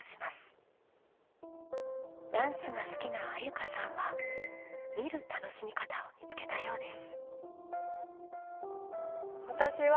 ダンスが好きなあゆかさんは「みる」楽しみ方を見つけたようです。